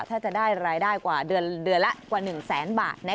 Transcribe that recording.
ถ้าจะได้รายได้กว่าเดือนละกว่า๑แสนบาท